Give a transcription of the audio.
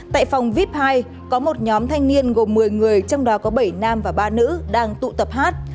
tại phòng vip hai có một nhóm thanh niên gồm một mươi người trong đó có bảy nam và ba nữ đang tụ tập hát